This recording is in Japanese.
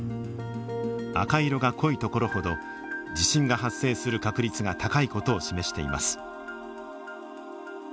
赤色が濃い所ほど地震が発生する確率が高い事を示しています。